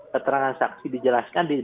keterangan saksi dijelaskan